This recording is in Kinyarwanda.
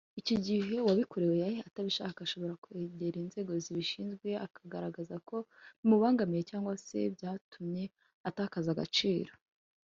Icyo gihe uwabikorewe atabishaka ashobora kuregera inzego zibishinzwe akagaragaza ko bimubangamiye cyangwa se byatumye atakaza agaciro